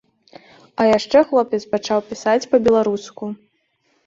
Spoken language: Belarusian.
А яшчэ хлопец пачаў пісаць па-беларуску.